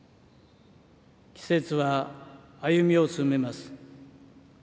季節は歩みを進めます。